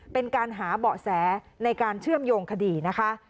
เป็นการหาเบาะแสในการเชื่อมโยงคดีนะคะ